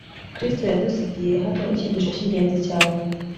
kristo yadusigiye hano icyigisho cy'ingenzi cyane